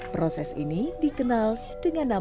proses ini dikenal dengan nama